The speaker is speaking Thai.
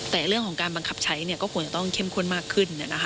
แต่เรื่องของการบังคับใช้ก็ควรจะต้องเข้มข้นมากขึ้น